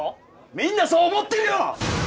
みんなそう思ってるよ！